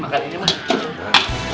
makan ini mah